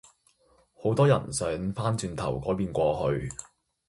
好多人想返轉頭改變過去